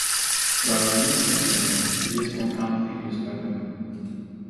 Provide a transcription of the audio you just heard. While a unisex name, it is more commonly used by women.